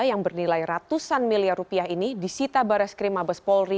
yang bernilai ratusan miliar rupiah ini disita bares krim abes polri